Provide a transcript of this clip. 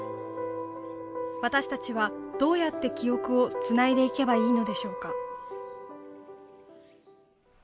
私たちはどうやって記憶をつないでいけばいいのでしょうか。